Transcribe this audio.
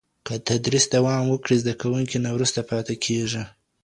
که تدریس دوام وکړي، زده کوونکی نه وروسته پاته کېږي.